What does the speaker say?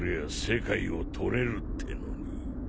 世界を取れるってのに。